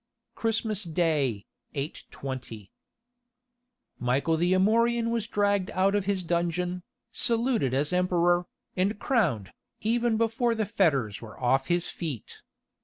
[Christmas Day, 820.] Michael the Amorian was dragged out of his dungeon, saluted as emperor, and crowned, even before the fetters were off his feet.